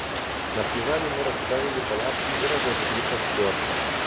На привале мы расставили палатки и разожгли костёр.